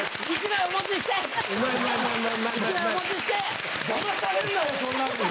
１枚お持ちして。